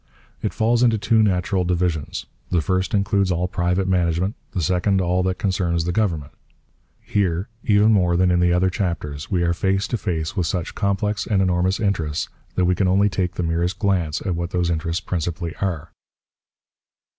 It falls into two natural divisions: the first includes all private management, the second all that concerns the government. Here, even more than in the other chapters, we are face to face with such complex and enormous interests that we can only take the merest glance at what those interests principally are.